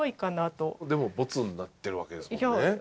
でもボツになってるわけですもんね。